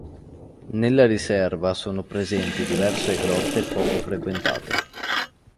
Nella riserva sono presenti diverse grotte poco frequentate.